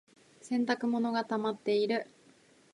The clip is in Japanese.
洗濯物がたまっている。